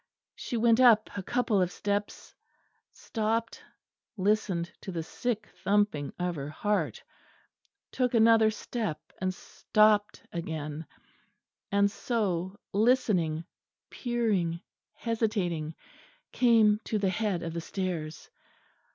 She went up a couple of steps stopped, listened to the sick thumping of her heart took another step and stopped again; and so, listening, peering, hesitating, came to the head of the stairs.